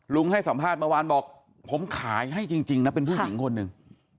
ให้สัมภาษณ์เมื่อวานบอกผมขายให้จริงนะเป็นผู้หญิงคนหนึ่ง